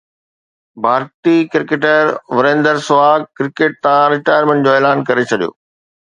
ڀارتي cricketer Virender Sehwag cricket تان retirement جو اعلان ڪري ڇڏيو